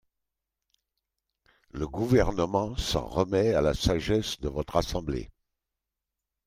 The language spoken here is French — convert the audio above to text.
Le Gouvernement s’en remet à la sagesse de votre assemblée.